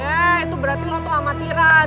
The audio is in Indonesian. eh itu berarti lo tuh amatiran